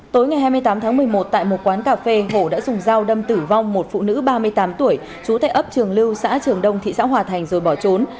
tối ngày hai mươi tám tháng một mươi một tại một quán cà phê hổ đã dùng dao đâm tử vong một phụ nữ ba mươi tám tuổi trú tại ấp trường lưu xã trường đông thị xã hòa thành rồi bỏ trốn